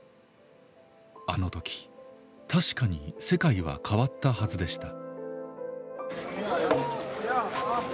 あの時確かに世界は変わったはずでした。